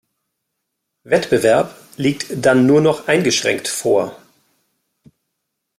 Wettbewerb liegt dann nur noch eingeschränkt vor.